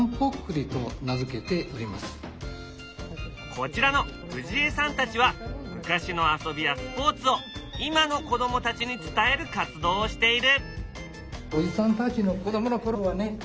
こちらの藤江さんたちは昔の遊びやスポーツを今の子供たちに伝える活動をしている。